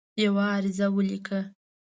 یوه عریضه ولیکله.